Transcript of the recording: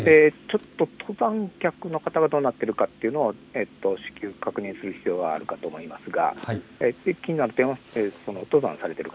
登山客の方がどうなっているかというのが至急、確認する必要があると思いますが。